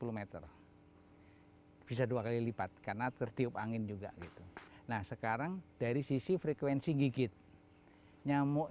hai bisa dua kali lipat karena tertiup angin juga gitu nah sekarang dari sisi frekuensi gigit nyamuk